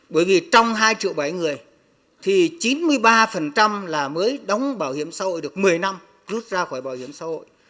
bởi vì trong hai bảy triệu người chín mươi ba mới đóng bảo hiểm xã hội được một mươi năm rút ra khỏi bảo hiểm xã hội